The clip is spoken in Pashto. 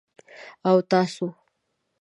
_او تاسو؟